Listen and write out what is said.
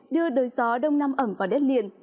đưa đời gió đông nam ẩm vào đất liền